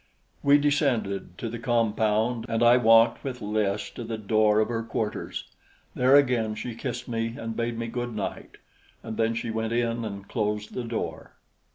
We descended to the compound, and I walked with Lys to the door of her quarters. There again she kissed me and bade me good night, and then she went in and closed the door.